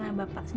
ini bukan tujuan